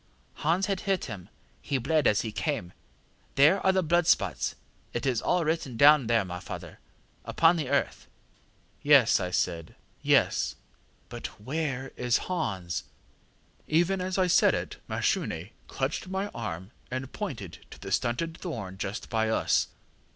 Hans had hit him: he bled as he came; there are the blood spots. It is all written down there, my father there upon the earth. ŌĆÖ ŌĆ£ŌĆśYes, ŌĆÖ I said; ŌĆśyes; but _where is Hans?_ŌĆÖ ŌĆ£Even as I said it Mashune clutched my arm, and pointed to the stunted thorn just by us.